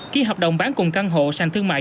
ký hợp đồng bán cùng căn hộ sàn thương mại